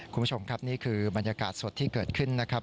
คุณผู้ชมครับนี่คือบรรยากาศสดที่เกิดขึ้นนะครับ